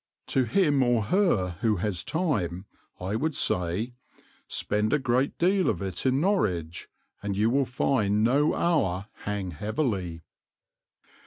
To him or her who has time I would say, "Spend a great deal of it in Norwich, and you will find no hour hang heavily."